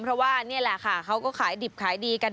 เพราะว่านี่แหละค่ะเขาก็ขายดิบขายดีกัน